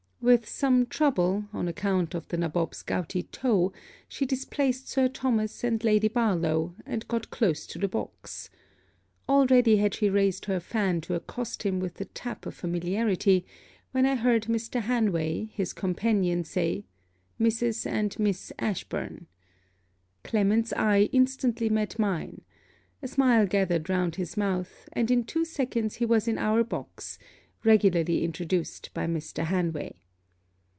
With some trouble, on account of the nabob's gouty toe, she displaced Sir Thomas and Lady Barlowe, and got close to the box. Already had she raised her fan to accost him with the tap of familiarity, when I heard Mr. Hanway his companion say 'Mrs. and Miss Ashburn.' Clement's eye instantly met mine. A smile gathered round his mouth; and in two seconds he was in our box, regularly introduced by Mr. Hanway.